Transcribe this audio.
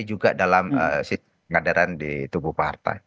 juga dalam pengadaran di tubuh partai